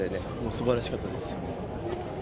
すばらしかったです。